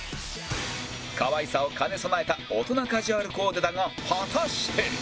可愛さを兼ね備えた大人カジュアルコーデだが果たして